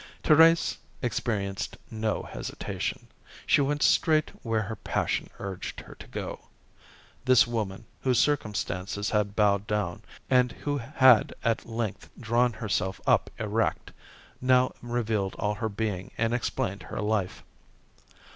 Thérèse experienced no hesitation. She went straight where her passion urged her to go. This woman whom circumstances had bowed down, and who had at length drawn herself up erect, now revealed all her being and explained her life.